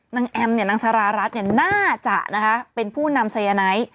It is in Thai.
แอมนางสารารัฐน่าจะเป็นผู้นำสายไนท์